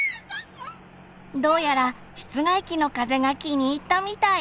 どうやら室外機の風が気に入ったみたい。